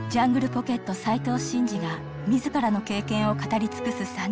ポケット斉藤慎二が自らの経験を語り尽くす３０分ご覧下さい。